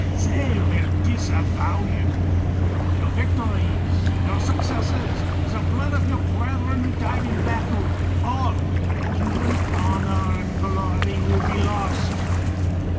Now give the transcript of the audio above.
They will disavow you. Your » victories, your successes, the blood of your brethren ■ who died in battle ; all, even honor and glory will be lost.